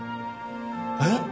えっ！？